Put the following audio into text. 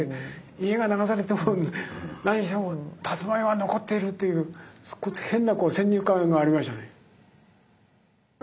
家が流されても何してもたつまいは残っているというそこで変な先入観がありましたね。